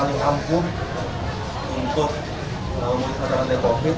menguruskan tangan depok covid sembilan belas